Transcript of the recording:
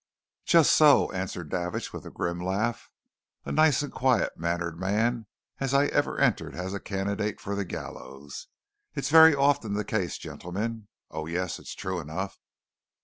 "Just so!" answered Davidge with a grim laugh. "As nice and quiet mannered a man as ever I entered as a candidate for the gallows! It's very often the case, gentlemen. Oh, yes it's true enough!